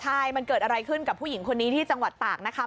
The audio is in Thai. ใช่มันเกิดอะไรขึ้นกับผู้หญิงคนนี้ที่จังหวัดตากนะคะ